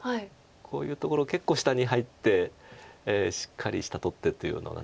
こういうところ結構下に入ってしっかり下取ってっていうのが好きなんで。